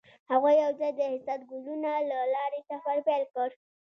هغوی یوځای د حساس ګلونه له لارې سفر پیل کړ.